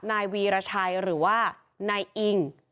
นายวีรชัยหรือว่านายอิง